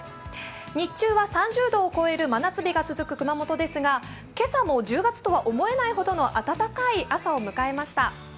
日中は３０度を超える真夏日が続く熊本ですが今朝も１０月とは思えないほどの暖かい朝を迎えました。